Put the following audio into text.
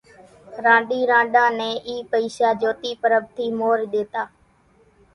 رانڏي رانڏان نين اِي پئيشا جھوتي پرٻ ٿي مورِ ۮيتا،